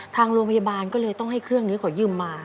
ทางโรงพยาบาลก็เลยต้องให้เครื่องนี้ขอยืมมา